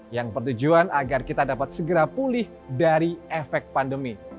yang bertujuan agar kita dapat segera pulih dari efek pandemi